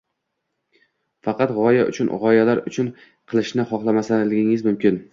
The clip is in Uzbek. Faqat gʻoya uchun gʻoyalar uchun qilishni xohlamasligingiz mumkin…